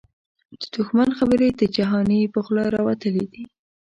د دښمن خبري د جهانی په خوله راوتلی دې